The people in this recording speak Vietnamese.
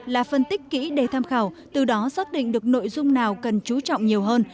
là phân tích kỹ đề tham khảo từ đó xác định được nội dung nào cần chú trọng nhiều hơn